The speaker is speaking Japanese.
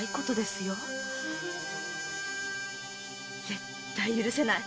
絶対許せない！